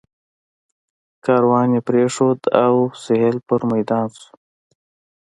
کاروان یې پرېښود او سهیل پر میدان شو.